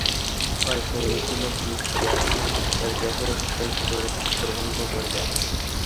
পরে সেই মিছিলও police tear গ্যাসের শেল ছুড়ে ছত্রভঙ্গ করে দেয়।